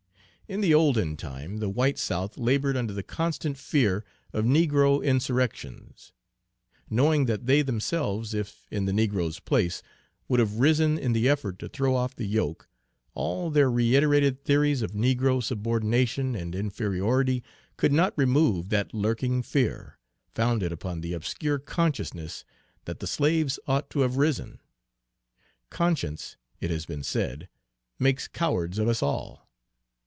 In the olden time the white South labored under the constant fear of negro insurrections. Knowing that they themselves, if in the negroes' place, would have risen in the effort to throw off the yoke, all their reiterated theories of negro subordination and inferiority could not remove that lurking fear, founded upon the obscure consciousness that the slaves ought to have risen. Conscience, it has been said, makes cowards of us all.